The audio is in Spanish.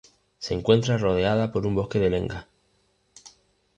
Se encuentra rodeada por un bosque de lenga.